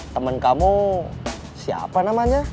temen kamu siapa namanya